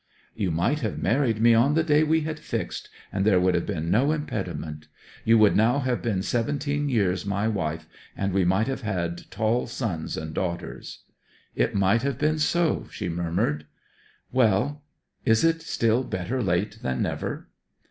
'You might have married me on the day we had fixed, and there would have been no impediment. You would now have been seventeen years my wife, and we might have had tall sons and daughters.' 'It might have been so,' she murmured. 'Well is it still better late than never?'